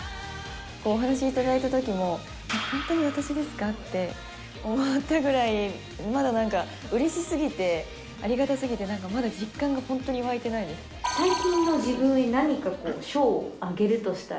お話頂いたときに、本当に私ですかって思ったぐらい、まだなんかうれしすぎて、ありがたすぎて、まだ実感が本当に湧いてない最近の自分になにかこう、賞をあげるとしたら。